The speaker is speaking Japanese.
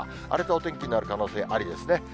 荒れたお天気になる可能性ありですね。